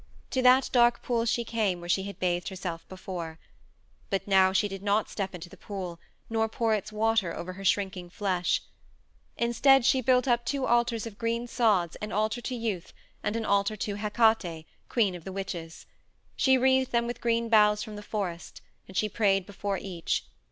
To that dark pool she came where she had bathed herself before. But now she did not step into the pool nor pour its water over her shrinking flesh; instead she built up two altars of green sods an altar to Youth and an altar to Hecate, queen of the witches; she wreathed them with green boughs from the forest, and she prayed before each.